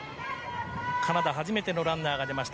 カナダ初めてのランナーが出ました。